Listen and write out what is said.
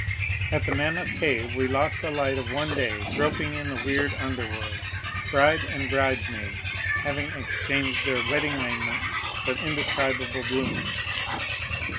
At the Mammoth Cave we lost the light of one day groping in the weird underworld, bride and bridesmaids having exchanged their wedding raiment for in describable bloomers.